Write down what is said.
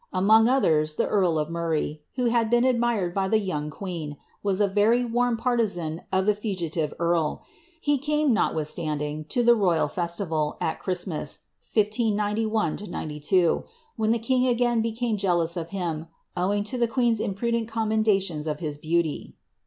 Among others, the earl of Murray, who haii been admired by tlie young queen, was a very warm partisan of i!ie fugitive earl. lie came, notwithstanding, to the royal festival, atChii:*t mas, 1591 2, when the king again became jealous of hitu, owing tu ilic queen's imprudent commendations of his beauty.